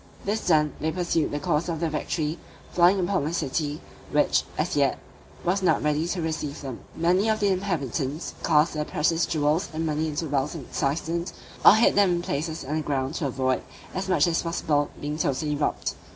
This done, they pursued the course of their victory, falling upon the city, which, as yet, was not ready to receive them. Many of the inhabitants cast their precious jewels and money into wells and cisterns, or hid them in places underground, to avoid, as much as possible, being totally robbed.